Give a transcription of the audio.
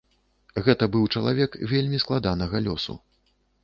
Гэта быў чалавек вельмі складанага лёсу.